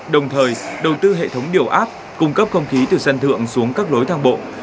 đồng thời đầu tư hệ thống điều áp cung cấp không khí từ sân thượng xuống các lối thang bộ